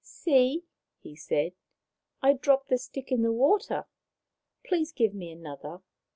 " See," he said, " I dropped the stick in the water. Please give me another."